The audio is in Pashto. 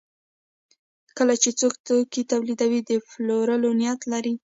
کله چې څوک توکي تولیدوي د پلورلو نیت لري.